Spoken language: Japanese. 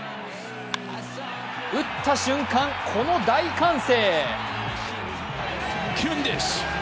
打った瞬間、この大歓声。